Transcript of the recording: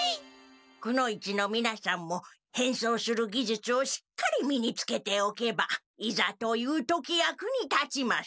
くの一のみなさんも変装するぎじゅつをしっかり身につけておけばいざという時役に立ちます。